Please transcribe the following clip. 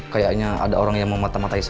kayaknya ada orang yang mau matai matai saya